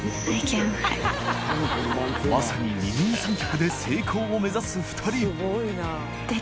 磴泙気二人三脚で成功を目指す２人磴垢襪